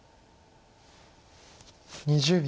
２０秒。